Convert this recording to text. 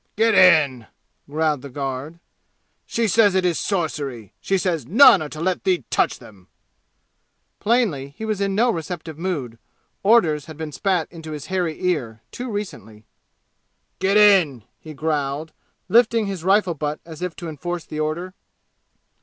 "Get in!" growled the guard. "She says it is sorcery! She says none are to let thee touch them!" Plainly, he was in no receptive mood; orders had been spat into his hairy ear too recently. "Get in!" he growled, lifting his rifle butt as if to enforce the order.